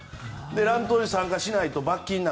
乱闘に参加しないと罰金だと。